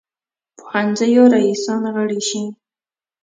پوهنځیو رییسان غړي شي.